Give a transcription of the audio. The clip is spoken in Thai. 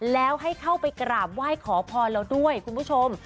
แล้วให้เข้าไปกราบไหว้ขอพรเราด้วยคุณผู้ชม